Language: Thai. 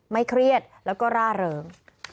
ไม่เครียดแล้วก็ร่าเหลิง